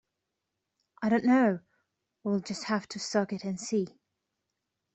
I don't know; we'll just have to suck it and see